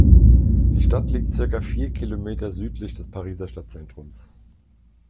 Die Stadt liegt circa vier Kilometer südlich des Pariser Stadtzentrums.